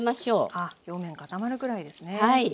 あっ表面固まるくらいですね。